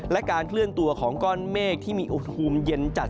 และการเคลื่อนตัวของก้อนเมฆที่มีอุณหภูมิเย็นจัด